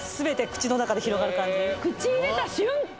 口に入れた瞬間